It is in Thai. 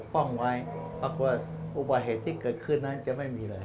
ป้องไว้ปรากฏว่าอุบัติเหตุที่เกิดขึ้นนั้นจะไม่มีเลย